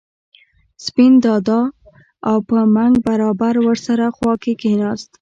سپین دادا او په منګ برابر ور سره خوا کې کېناست.